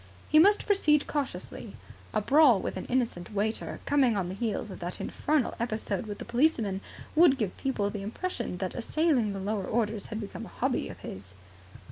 He must proceed cautiously. A brawl with an innocent waiter, coming on the heels of that infernal episode with the policeman, would give people the impression that assailing the lower orders had become a hobby of his.